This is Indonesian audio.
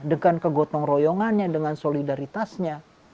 dengan kegotong royongannya dengan solidaritasnya